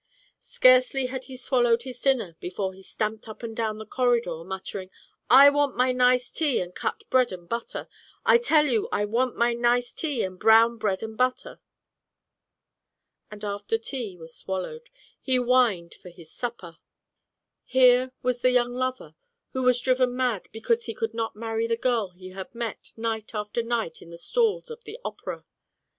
Scarcely had he swallowed his dinner before he stamped up and down the corridor muttering, "I want my nice tea and cut bread and butter. I tell you I want my nice tea and brown bread and butter." And after tea was swallowed he whined for his supper. Here was the young lover who was driven mad because he could not marry the girl he had met night after night in the stalls of the opera.